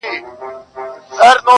خلکو ویل چي دا پردي دي له پردو راغلي-